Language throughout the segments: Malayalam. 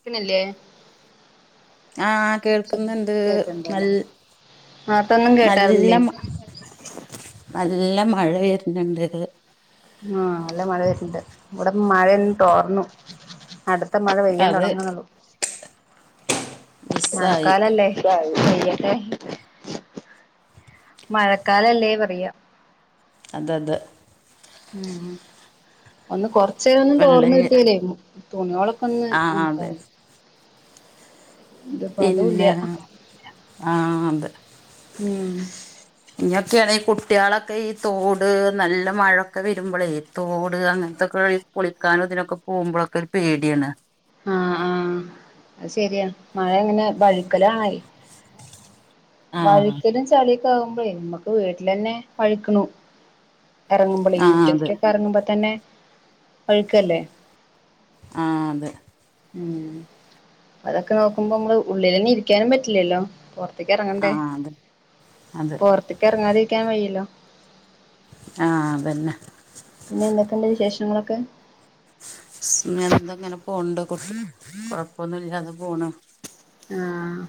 ക്ക്‌ നെല്ലെ. ആഹ് കേൾക്ക്‌ന്ന്ണ്ട് നൽ കേക്ക്ണ്ടല്ലേ നേർത്തൊന്നും നല്ല കേട്ടായിരുന്നില്ലേ മ- നല്ല മഴ വെര്ന് ണ്ട്. ആഹ് ല്ല മഴ വര്ന്ണ്ട് വടെ മഴൻ തോർന്നു അടു- ത്ത മഴ പെയ്യാൻ അത് തൊടങ്ങുണൊ ള്ളു. മിസ്സായി മഴക്കാലല്ലേ? [unintelligible] യട്ടെ മഴക്കാലല്ലേ പറയാ. അതത്. ഉം. ഒന്ന് കൊർച്ചേ ഒന്നും തോർന്ന് വെള്ളല്ല്യ കിട്ട്യ ലെ തുണിയൊളൊക്കന്ന് ആഹ് അതെ ഒൺക്കാന്ന്. അതൂല്ല പിന്നെ ആഹ് ത്. ഉം. ഞ്ഞൊക്കേണീ കുട്ട്യാളൊക്കെ ഈ തോട് നല്ല മഴൊക്കെ വരുമ്പളെ. തോട് അങ്ങൻത്തൊക്കെ ഈ കുളിക്കാനു തിനൊക്കെ പോകുമ്പൊളൊക്കെ ഒരു പേട്യാണ്. ആഹ് ആഹ് അയ് ശരിയാ മഴങ്ങനെ വഴുക്കലാണയി. ആഹ് വഴിക്കലും ചളിയൊക്കെ ആകുമ്പഴേ മ്മക്ക് വീട്ടിലന്നെ വഴിക്കണു. എറങ്ങുമ്പളെ ആഹ് അതെ മുറ്റത്ക്കൊക്കെ എറങ്ങുമ്പ തന്നെ വഴിക്കല്ലേ? ആഹ് ത്. ഉം അതൊക്കെ നോക്കുമ്പോ മ്മള് ഉള്ളിലന്നെ ഇരിക്ക്യാനും പറ്റില്ലല്ലോ. പൊർ- ത്ത് കെർങ്ങണ്ടേ ആഹ് അതെ അതെ പൊർത്കെർ ങ്ങാതിരിക്കാൻ വയല്ലോ. ആഹ് അതന്നെ. പിന്നെ എന്തൊക്കെണ്ട് വിശേഷങ്ങളൊക്കെ? സ് മെന്തങ്ങനെ പോണ്ട് കു കൊഴപ്പൊന്നുല്ലാതെ പോണ്. ആഹ്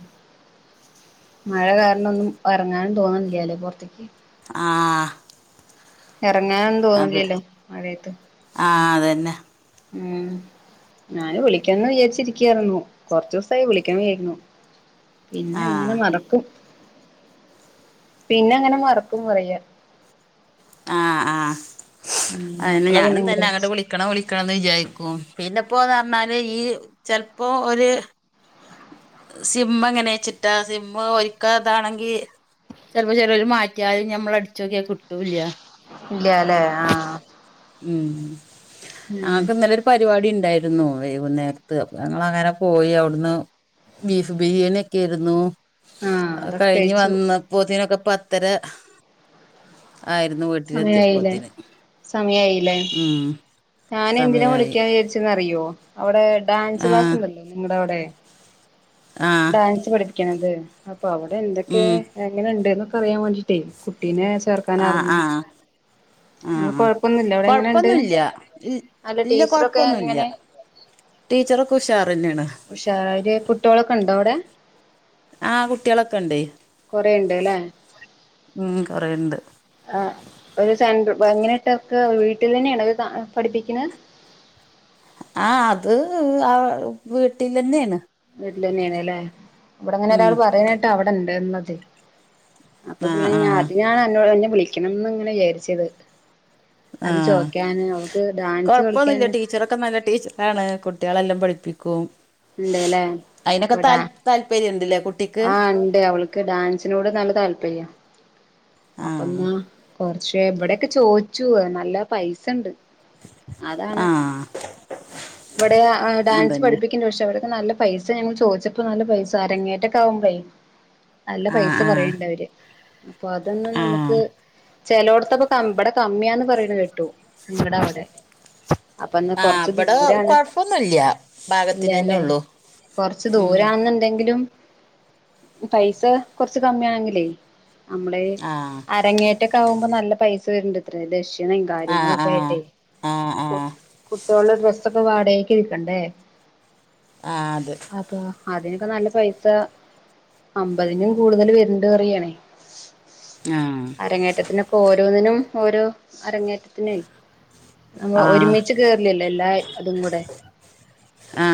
മഴ കാരണൊന്നും എർ ങ്ങാനും തോന്നുന്നില്ലല്ലേ പൊ റത്ത്ക്ക്. ആഹ്. എറങ്ങാനൊന്നും അത് തോന്നുന്നില്ലല്ലോ മഴയത്ത്. ആഹ് അതന്നെ. ഉം ഞാന് വിളിക്ക്യന്ന് വിചാരിച്ചിരിക്ക്യാരുന്നു കൊർ ച്ചുസായി വിളിക്ക്യാൻ വിചാരിക്കുണു. പിന്നെങ്ങനെ ആഹ് മറക്കും, പിന്നെങ്ങനെ മറക്കും പറയാ. ആഹ് ആഹ് ഉം അയ്ന് അപ്പളാ പിന്നെ ഞാനും ഇങ്ങട് തന്നെങ്ങട്ട് വിളിച്ചേ വിളി- ക്കണം വിളിക്കണംന്ന് വിചാരിക്കും പിന്നെപ്പോന്നർഞ്ഞാല് ഈ ചെൽപ്പോ ഒര്- സിം എങ്ങനെച്ചിട്ടാ സിം ഒരിക്കാ അതാണെങ്കി. ചെൽപ്പോ ചേലോല് മാറ്റ്യാൽ ഞമ്മൾ അട്ച്ചോക്യ കിട്ടൂല്ല. ഇല്ല്യ ലേ ആഹ്. ഉം ഉം അങ്ങക്ക്‌ന്നലൊരു. പരിവാടി ണ്ടായിരുന്നു വൈകുന്നേരത്ത് അപ്പൊ ഞങ്ങളങ്ങനെ പോയി ഔട്ന്ന്. ബീഫ് ബിരിയാണിക്കെരുന്നു. ആഹ് അ അതൊക്കെ കഴിഞ്ഞ് കഴിച്ചു വന്നപ്പോത്തിനൊക്കെ പത്തര ആയിര്ന്നു ട്ടിലത്ത്യം. ലെ സമയായിലേ ഞാനെന്തിനാ സമയായി വിളിക്ക്യാ വിചാരിച്ചെന്നറിയോ? അവിടെ ഡാൻസ് ക്ലാസ് ആഹ് ണ്ടല്ലോ നിങ്ങടെ അവിടെ. ആഹ്. ഡാൻസ് പഠിക്ക്ണത് അപ്പൊ അവിടെ എന്തൊക്കെ ഉം - ങ്ങനെണ്ട്ന്നൊക്കറിയാ വേണ്ടിട്ടെ കുട്ടീനെ ചർ. ആഹ് ആഹ്. ആഹ് ആഹ് കൊഴപ്പൊന്നുല്ല അവിടെ എങ്ങനെണ്ട് കൊഴപ്പൊന്നുല്ല ഇൽ അല്ല ഇല്ല ടീച്ചറൊക്കെ കൊഴപ്പൊന്നുല്ല. എങ്ങനെ ടീച്ചറൊക്കെ ഉഷാറെന്നേണ്. ഉഷാര് കുട്ട്യോളൊക്കെ ണ്ടോ വടെ. ആഹ് കുട്ട്യളൊക്കെ ണ്ടയ്. കുറെുണ്ട് അല്ലേ ഉം കൊറെുണ്ട് ആ ഒരു സെൻ എങ്ങനെ ഇട്ടവർക്ക് വീട്ടിൽ തന്നെയാണ അത് പഠിപ്പിക്കുന്നത് ആ അത് ആ വീട്ടിൽന്നെയാണ് വീട്ടിൽ തന്നെയണ അല്ലേ ഇവിടെ അങ്ങനെ ഉം ഒരാൾ പറയാനായിട്ട് അവിടെണ്ട്ന്നത് അപ്പൊ ആ പിള്ളേ ആ ഞാൻ അതിന്നു എന്നെ വിളിക്കണംന്ന് ഇങ്ങനെ വിചാരിച്ചത് ആ അത് ചോക്കാന് നമക്ക് ഡാൻസ് കളിക്കാൻ കൊഴപ്പൊന്നുല്ല ടീച്ചറൊക്കെ നല്ല ടീച്ചറാണ് കുട്ടികളെല്ലാം പഠിപ്പിക്കും ഉണ്ട്ല്ലേ അയിനൊക്കെ ത താല്പര്യംണ്ടില്ലേ കുട്ടിക്ക് ഇണ്ട് അവൾക്ക് ഡാൻസിനോട് നല്ല താല്പര്യം ആ അപ്പ എന്നാ കുറച്ച് എവിടെൊക്കെ ചോദിച്ചു നല്ല പൈസുണ്ട് അതാണ് ആ ഇവിടെ ഡാൻസ് അതന്നെ പഠിപ്പ പക്ഷെ അവട നല്ല പൈസ ഞങ്ങൾ ചോദിച്ചപ്പോ നല്ല പൈസ അരങ്ങേട്ടൊക്ക ആകും പ നല്ല ആ പൈസ ആ കൊറയണ്ട അവര് അപ്പൊ അതൊന്നും ആ നമുക്ക് ചെിലോടത്തപ്പ ക ഇവിടെ കമ്മിയാന്ന് പറയുന്നത് കേട്ടു നിങ്ങളുടെ അവിടെ അപ്പൊ ഒന്ന് കൊറച്ച് ദൂരാണ് ഒന്നുല്ല ഇല്ലല്ലെ കൊറച്ച് ഉം ദൂരെന്നുണ്ടെങ്കിലും പൈസ കുറച്ച് കമ്മിയ ആണെങ്കിലേ നമ്മള ആ അരങ്ങേറ്റ മറ്റക്ക ആകുമ്പോ നല്ല പൈസ വരുണ്ട് ഇത്ര ദക്ഷണ ആ കാര്യങ്ങളും ആ ഒക്കെ ആയിട്ടേ ആ ആ കു കുട്ടികളുടെ ഡ്രസ്സൊക്കെ വാടകക്ക് ഇരിക്കണ്ടേ ആ അത് അപ്പൊ അതിനൊക്കെ നല്ല പൈസ അമ്പതിനും കൂടുതൽ വരുണ്ട് കറിയണേ ആഹ അരങ്ങറ്റത്തിന ഓരോന്നിനും ഓരോ അരങ്ങേറ്റത്തിന നമൾ ആ ഒരുമിച്ച് കേറലല്ലോ എല്ലാ അതും കൂടെ ആ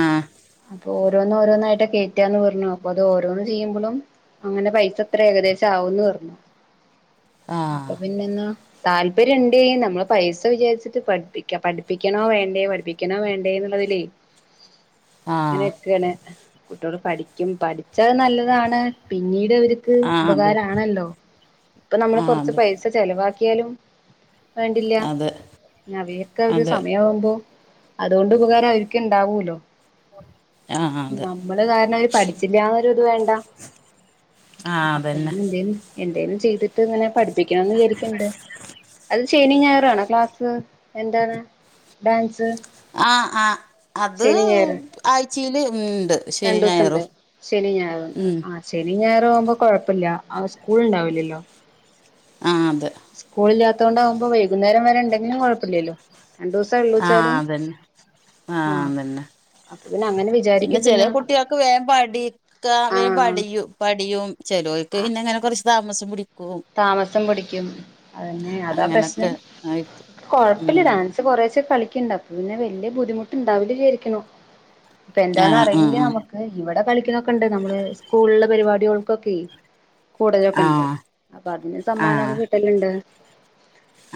അപ്പൊ ഓരോന്നും ഓരോന്നായിട്ട് കേയറ്റാന്ന് പറഞ്ഞു അപ്പൊ അത് ഓരോന്ന് ചെയ്യുമ്പോഴും അങ്ങനെ പൈസ എത്ര ഏകദേശം ആവുംന്ന് പറഞ്ഞു ഉ അപ്പൊ പിന്നെെന്നാ താല്പര്യം ഉണ്ട് നമ്മള് പൈസ വിചാരിച്ചട്ട് പഠിപ്പിക്ക പഠിപ്പിക്കണോ വേണ്ടയോ പഠിപ്പിക്ക ക്കണോ വേണ്ടേ എന്നുള്ളതിലേ ആ ഇങ്ങനെ എക്കണ കുട്ടികൾ പഠിക്കും പഠിച്ചാൽ നല്ലതാണ് പിന്നീട്വർക്ക് ആ അതെ ഉപകാരമാണല്ലോ ഇപ്പൊ നമ്മള് ആ കൊറച്ച് അതെ പൈസ ചെിലവാക്കിയാലും വേണ്ടില്ല അതെ അവിയൊക്കെ ഒരു അതെ സമയ ആവുമ്പോ അതുകൊണ്ട് ഉപകാരം അവരിക്ക ഇണ്ടാവൂലോ ആ അതെ നമ്മള് കാരണം അവര് പഠിച്ചില്ലന്നൊരു ഇത് വേണ്ട ആ അപ്പൊ അതന്നെ അങ്ങനെ എന്തേലും എന്തേലും ചെയ്തിട്ട് ഇങ്ങനെ പഠിപ്പിക്കണംന്ന് വിചാരിക്കണ്ട് അത് ശനി ഞായറാണോ ക്ലാസ് എന്താണ് ഡാൻസ് ആ് ആ അത് ശനി ഞായർ ആഴ്ചയില് ഉണ്ട് ശനി രണ്ടു ദിവസം ഉണ്ട് ഞായറും ശനി ഞായറും ഉം ആ ശനി ഞാറ ആകുമ്പോ കുഴപ്പമില്ല സ്കൂൾ ഉണ്ടാവില്ലല്ലോ ആ അതെ സ്കൂളില്ലാത്തത കൊണ്ടാവകുമ്പോ വൈകുന്നേരം വരെ ഉണ്ടെങ്കിലുംഴപ്പില്ലല്ലോ രണ്ട ദിവസ ഉള്ളച്ചാലും അതന്നെ ആഹ് അതുതന്നെ അപ്പൊ പിന്നെ അങ്ങനെ പിന്നെ ചില വിചാരിക്കണ്ടന്നാ കുട്ടികൾക്ക് വേമ്പാടിക്ക ആ വേമ്പാടും പടിയും ചെലോൽക്ക് പിന്ന ഇങ്ങനെ കുറച്ച് താമസം പിടി താമസം പിടിക്കും അതന്നെ അതാ അങ്ങനൊക്കെ പ്രശ്നം ആയിട്ട് കൊഴപ്പില്ല ഉം ഡാൻ കുറേച്ചെ കളിക്കുണ്ടാവും പിന്നെ വലിയ ബുദ്ധിമുട്ടുണ്ടാവില്ല വിചാരിക്കുന്നു ഇപ്പ ആ എന്താന്ന് ആ അറിയില്ല നമുക്ക് ഇവിടെ കളിക്കുന്നൊക്കെ ഉണ്ട് നമ്മള് സ്കൂളുള്ള പരിപാടികൾക്കൊക്കെയെ കൂടുതലൊക്കെ ആ ഉണ്ട് അപ്പൊ അതിന് ആ സമ്മാനം ഒക്കെ കിട്ടലുണ്ട്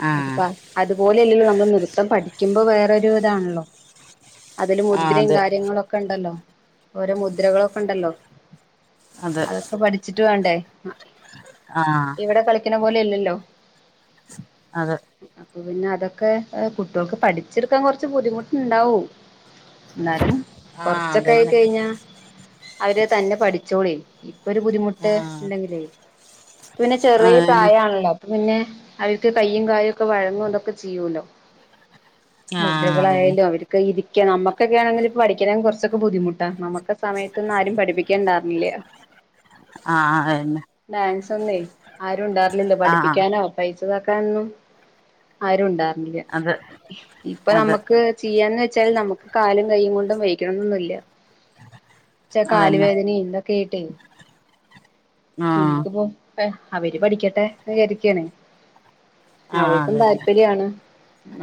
ആ ആ അതിപ്പാ അതുപോലെയല്ലല്ലോ നമ്മള് നൃത്തം പഠിക്കുമ്പോ വേറൊരു ഇതാണല്ലോ അതില് ആ മുദ്രയും അതെ കാര്യങ്ങളൊക്കെ ഉണ്ടല്ലോ ഓരോ മുദ്രകളൊക്കെ ഉണ്ടല്ലോ അതൊക്കെ പഠിച്ചിട്ട് വേണ്ടേ ആഹ് ഇവിടെ കളിക്കണ പോലെ അല്ലല്ലോ അതെ അപ്പൊ പിന്നെ അതൊക്കെ കുട്ടികൾക്ക് പഠിച്ചെടുക്കാൻ കുറച്ച് ബുദ്ധിമുട്ടുണ്ടാവും എന്നാരം ആ കൊറച്ചൊക്കെ ആയി അതന്നെ കഴിഞ്ഞാ അവര് തന്നെ പഠിച്ചോളി ഇപ്പൊ ഒരു ബുദ്ധിമുട്ട് ആഹ് ഉണ്ടെങ്കിലേ പിന്നെ ചെറിയ അതന്നെ പ്രായാണല്ലോ അപ്പൊ പിന്നെ അവർക്ക് കയ്യും കാലും ഒക്കെ വഴങ്ങും ഇതൊക്കെ ചെയ്യൂല്ലോ ആഹ് അതന്നെ മുദ്രകളായാലും അവർക്ക് ഇരിക്ക നമ്മുക്കൊക്കെ ആണെങ്കിൽ പഠിക്കണെ കുറച്ചൊക്കെ ബുദ്ധിമുട്ടാ നമുക്ക് സമയത്തൊന്നും ആരും പഠിപ്പിക്കാൻണ്ടാർന്നില്ല ആഹ് അതന്നെ ഡാൻസ് ഒന്നേ ആരും ഉണ്ടാർന്നില്ല ആഹ് പഠിപ്പിക്കാനോ പൈസ ഇതാക്കാനൊന്നും ആരും ഉണ്ടാർന്നില്ല അത് ഇപ്പൊ അത് നമ്മുക്ക് ചെയ്യാന്ന് വെച്ചാൽ നമുക്ക് കാലും കൈയും കൊണ്ട് വെരുവെന്നൊന്നുമില്ല എന്ന് വെച്ച കാല് അതന്നെ വേദനയും ഇതൊക്കെയായിട്ടേ ആഹ് നമ്മുക്കിപ്പോ അവര് പഠിക്കട്ടെ വിചാരിക്കയാണ് ആഹ് അവൾക്കും അതന്നെ താല്പര്യാണ്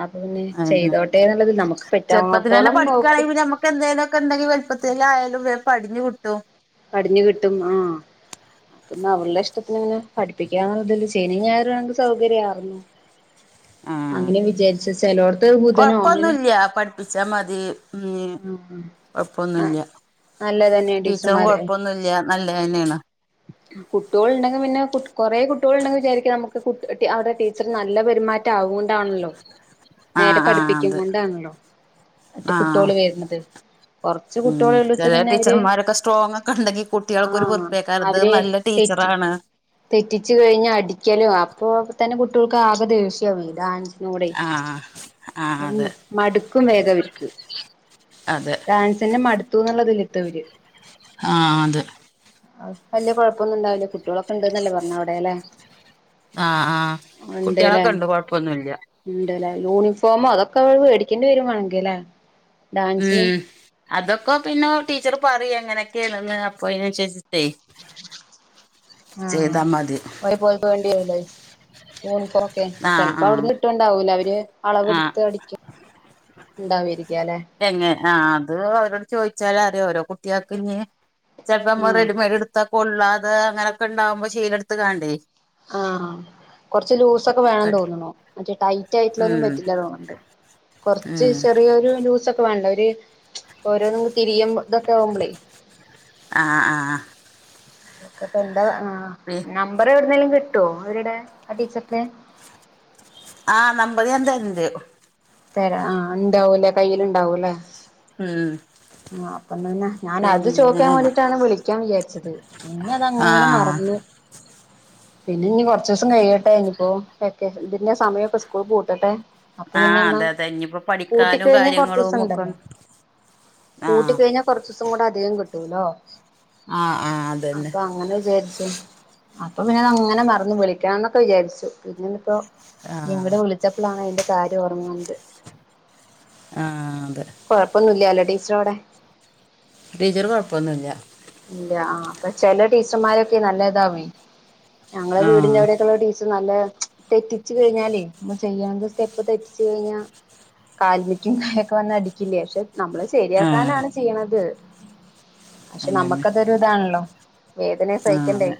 അത് പിന്നെ അതന്നെ ചെയ്തോട്ടെ എന്നുള്ളത് നമുക്ക് പറ്റാവുന്നോടത്തോളം നോക്കും എന്തേലുംഒക്കെ ഉണ്ടെങ്കിൽ വലുപ്പത്തേലിൽ ആയാലും വേഗം പടിഞ്ഞു കിട്ടും പടിഞ്ഞു കിട്ടും ആഹ് പിന്നെ അവളുടെ ഇഷ്ടത്തിന് ഇങ്ങനെ പഠിപ്പിക്കാന്നുള്ളതിൽ ശനി ഞായറും ആയിരുന്നെങ്കി സൗകര്യായിർന്നു ആഹ് അങ്ങനെ വിചാരിച്ച ചിലോട്ത്ത് ബുധനോ അങ്ങനെ പ്പിച്ചാ മതി ഉം ആഹ് കൊഴപ്പൊന്നുവില്ല നല്ലതന്നെ ടീച്ചറും ടീച്ചർമാര് കൊഴപ്പൊന്നുംല്ല നല്ല തന്നെയാണ് കുട്ട്യോൾ ഉണ്ടെങ്കിൽ പിന്നെ കുറേ കുട്ട്യോൾ ഉണ്ടെങ്കിൽ വിചാരിക്കാം നമുക്ക് അവടെ ടീച്ചർ നല്ല പെരുമാറ്റം റ്റാവുങ്ങൊണ്ടാണല്ലോ നേരെ ആഹ് ആഹ് അത് പഠിപ്പിക്കണൊണ്ടാണ്ല്ലോ മറ്റെ കു ആഹ് ട്ടോള് വെര്ണത് ഉം ചെല ടീച്ചർമാരൊക്കെ സ്ട്രോങ് ഒക്കെ ഉണ്ടെങ്കി കുട്ടികൾക്ക് ഒരു ആഹ് വെറുപ്പയേക്കാലത്ത് അവര് നല്ല ഒരു തെറ്റി ടീച്ചറാണ് തെറ്റിച്ചു കഴിഞ്ഞാ അടിക്കലുവാ അപ്പൊ തന്നെ കുട്ടികൾക്ക് ആകെ ദേഷ്യവും ഈ ഡാൻസ് നമ്മുടെ ആഹ് ആഹ് അതെ മടുക്കും വേഗം അവര്ക്ക് അതെ ഡാൻസിന്റെ മടുത്തുന്നുള്ളതിലിത്തവര് ആഹ് അതെ ആ വല്യയ കൊഴപ്പൊന്നുണ്ടാവില്ല കുട്ട്യോളൊക്കെ ഇണ്ട്ന്നല്ലേ പറഞ്ഞ അവിടെ ല്ലെ ആ ആ കുട്ട്യാളക്കെണ്ട് കൊഴപ്പൊന്നുല്ല ഇണ്ട്ല്ലേ യൂണിഫോമോ അതൊക്കെ നമ്മൾ വേടിക്കേണ്ടി വരും വാണെങ്കിലേ ഉം അതൊക്കൊ പിന്ന ടീച്ചർ പറിം എങ്ങനക്കേണന്ന് അപ്പൊ അയിനൻസര്ച്ചിട്ടേ ആ [inaudible] പോണ്ടരൂല്ലേ യൂണിഫോമൊക്കെ ആഹ് ആഹ് ചെലപ്പോവിട്ന്ന് ഇട്ടണ്ട് ഉണ്ടാവൂല അവര് ആഹ് അളവെടുത്ത് അടിക്ക ഉണ്ടാവരിക്കല്ലെ തന്നെ ആഹ് അത് ഓരോട് ചോയിച്ചാലറിയാ. ഓരോ കുട്ട്യാക്കിഞ്ഞ് ചെൽപ്പോ നമ്മ ആഹ് റെഡിമെയഡ് എടു ത്ത കൊള്ളാതെ അങ്ങനൊക്കെണ്ടാവുമ്പോ ശീലെടുത്ത്കാണ്ടേ ആഹ് കൊർച്ച് ലൂസൊക്കെ വേണം തോന്നുണു മറ്റേ ടൈറ്റ് ആയിട്ടുള്ളൊന്നും ഉം പറ്റില്ല തോന്ന്ണ്ട് കൊർച്ച് ഉം ചെറിയൊരു ലൂസൊക്കെ വേണ്ടെ ഒരു ഓരോന്ന് ങ്ങ് തിരിയും തൊക്കെ ആവുമ്പളേ ആഹ് ആഹ് അതൊക്കെപ്പെ എന്താ ആഹ് [unintelligible] നമ്പർ എവിടുന്നേലും കിട്ടോ അവരുടെ ആ ടീച്ചർടെ ആ നമ്പർ ഞാൻ തെര്ണ്ട് തരാ ആ ഇണ്ടാവൂല്ലേ കയ്യി ല്ണ്ടാവൂല്ലേ ആഹ് ആഹ് അപ്പൊതന്നെ ഞാനത് ചോക്കാൻ വേണ്ടീട്ടാണ് വിളിക്കാൻ വിചാരിച്ചത് പിന്നെതങ്ങനെ ആഹ് മറന്നു [inaudible] പിന്നെഞ്ഞ് കൊർച്ചൂസം കഴിയട്ടെ. ഇഞ്ഞ് പ്പൊ വെക്കേഷ ഇതിന്റെ സമയൊക്കെ സ്കൂൾ പൂട്ടട്ടെ അപ്പൊ ആഹ് പിന്നെന്നാ അതെ അതെ ഇനിയിപ്പോ പഠിക്കാനും പൂട്ടിക്കഴിഞ്ഞ കാര്യങ്ങളും ഒക്കെ കൊർച്ചൂസണ്ടല്ലോ പൂട്ടി ആഹ് കഴിഞ്ഞാ കൊർച്ചൂസം കൂടെ അധികം കിട്ടൂലോ ആഹ് ആഹ് അതന്നെ അപ്പൊ അങ്ങനെ വിചാര്ച്ചു അപ്പൊ പിന്നതങ്ങനെ മറന്ന് വിളിക്കണംന്നൊക്കെ വിചാരിച്ചു പിന്നേണ് ഇപ്പോ ആഹ് ഇയ്യ്ങ്ങട്ട് വിളി ച്ചപ്പളാണ് അയിൻ്റെ കാര്യം ഓർമ്മവന്നത് ആഹ് അതെ കൊഴപ്പൊന്നൂല്ലാലോ ടീച്ച്റവിടെ ടീച്ചർ കൊഴപ്പൊന്നുല്ല ഇല്ല ആഹ് അപ്പൊ ചെല ടീച്ചർമാരൊക്കെ നല്ല ഇതാവോയ്. ഞങ്ങളെ ആഹ് വീടിന്റവിടൊക്കള്ള ടീ നല്ല [unintelligible] തെറ്റിച്ച് കഴിഞ്ഞാലേ മ്മ ചെയ്യണത് സ്റ്റെപ്പ് തെറ്റിച്ച് കഴിഞ്ഞാ കാൽമിക്കും യൊക്കെ വന്ന് അടിക്കില്ലേ പക്ഷെ നമ്മള് ആഹ് ശരിയാക്കാനാണ് ചെയ്യ്ണത് അതന്നെ നമ്മക്കതൊരിതാണല്ലോ വേദന ആഹ് സഹിക്കണ്ടേ അതെ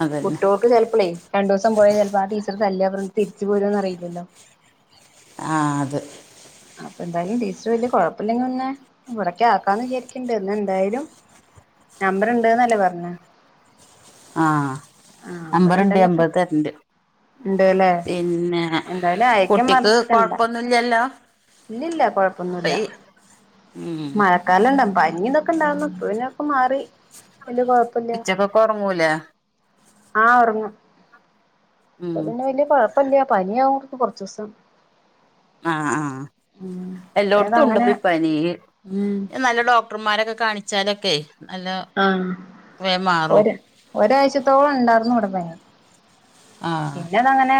അപ്പൊ അതന്നെ കുട്ട്യാക്ക് ചെലപ്പളെയ് രണ്ടൂസം പോയാ ചെലപ്പോ ആ ടീച്ചർ തല്ലോ അവര് ണ്ട് തിരിച്ച് പോരൊന്ന് അറിയില്ലല്ലോ ആ അത് അപ്പൊ എന്തായാലും ടീച്ചർ വല്യ കൊഴപ്പല്ലെ പിന്നെ ഇവിടക്യക്കാന്ന് വിചാരിക്കണ്ട് ഇന്ന് എന്തായാലും നമ്പർണ്ട്ന്നല്ലേ പറഞ്ഞ ആഹ് നമ്പർ നമ്പറുണ്ട് ഉണ്ടെങ്കി ഇപ്പ നബർ തെരണ്ട് ഉണ്ട്ല്ലേ പിന്നെ എന്തായാലും അയക്കാൻ കുട്ടിക്ക് മറക്കണ്ട കൊഴപ്പൊന്നുല്ലല്ലോ ഇല്ലില്ല ഇപ്പ കൊഴപ്പൊന്നുവില്ല ഈ ഉം മഴക്കാലം ഇണ്ടാവും പനി ഇതൊക്കെ ഇണ്ടാവുന്നു പിന്നതൊക്കെ മാറി പിന്ന കൊഴപ്പൊ ഉച്ചക്കൊക്കൊറങ്ങൂലെ ആഹ് ഒറങ്ങും ഉം ഇപ്പൊ പിന്നെ വല്യ കൊഴ പ്പല്ല്യ പനിയാവും കൊർച്ചൂസം ആഹ് ഉം അപ്പയതങ്ങനെ അ നിയ്യ് ഉം നല്ല ഡോക്ടർമാരൊക്കെ കാണിച്ചാലൊക്കെ നല്ല ആ ഹ് വേം മാറും ഒരു ഒരായിചതോളണ്ടായിരുന്നു ഇവിടെ പനി ആഹ് ഇന്നങ്ങന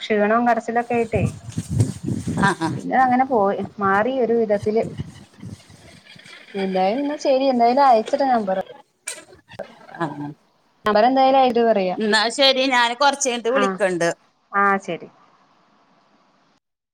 ക്ഷീണവും കരച്ചിലൊക്കെ ആയിട്ടേ ആഹ് ആഹ് പിന്നെ അങ്ങനെ പോയി മാറി ഒരു വിധത്തില് എന്തായാലും എന്ന ശരി എന്ന ഞാനഅയച്ച ഇതാ നമ്പറ് ആഹ് അവരെന്തായാലയി എന്നാ ശരി ഞാൻ കൊറച്ച് കഴിഞ്ഞിട്ട് ആഹ് വിളിക്കണണ്ട് ആഹ് ശരി